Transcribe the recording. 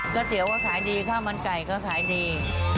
เตี๋ยวก็ขายดีข้าวมันไก่ก็ขายดี